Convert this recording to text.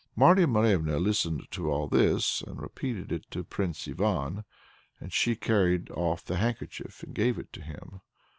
Marya Morevna listened to all this, and repeated it to Prince Ivan, and she carried off the handkerchief and gave it to him.